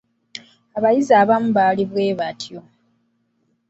Abayizi abamu bali bwe batyo.